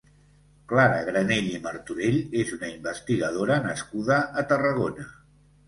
Clara Granell i Martorell és una investigadora nascuda a Tarragona.